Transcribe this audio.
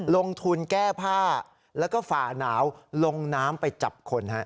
ลงทุนแก้ผ้าแล้วก็ฝ่าหนาวลงน้ำไปจับคน